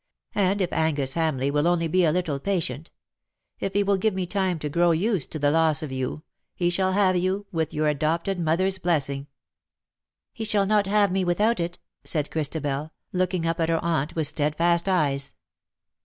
And if Angu3 Hamleigh will only be a little patient ; if he will give me time to grow used to the loss of you, he shall have you with your adopted mother^s blessing.'" ^' He shall not have me without it/" said Christabel, looking up at her aunt with steadfast eyes.